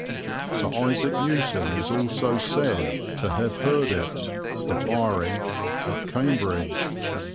"Sir Isaac Newton is also said to have heard it [the firing] at Cambridge."